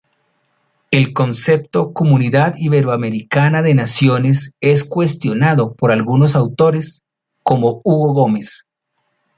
El concepto Comunidad Iberoamericana de Naciones es cuestionado por algunos autores, como Hugo Gómez.